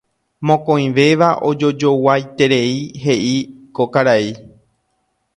Mokõivéva ojojoguaiterei heʼi ko karai.